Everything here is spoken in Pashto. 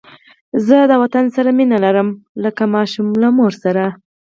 زه د وطن سره مینه لرم لکه ماشوم له مور سره